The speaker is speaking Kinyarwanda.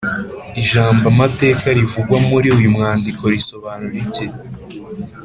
ijambo amateka rivugwa muri uyu mwandiko risobanura iki?